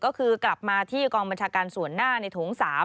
ก็คือกลับมาที่กองบัญชาการส่วนหน้าในโถง๓